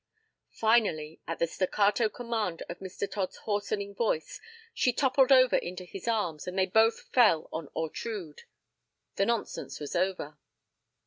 Finally, at the staccato command of Mr. Todd's hoarsening voice, she toppled over into his arms and they both fell on Ortrud. The nonsense was over.